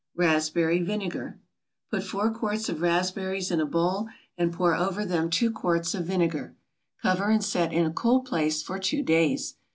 RASPBERRY VINEGAR. Put 4 quarts of raspberries in a bowl and pour over them 2 quarts of vinegar. Cover and set in a cool place for two days.